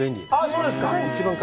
そうですか。